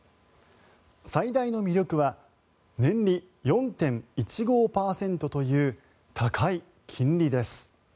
最大の魅力は年利４．１５％という高い金利です。